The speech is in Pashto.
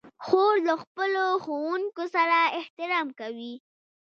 خور له خپلو ښوونکو سره احترام کوي.